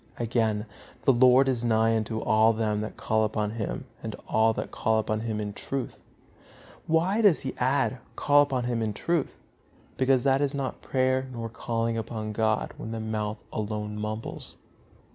Again, "The Lord is nigh unto all them that call upon Him, to all that call upon Him in truth." Why does he add, "call upon Him in truth"? Because that is not prayer nor calling upon God when the mouth alone mumbles.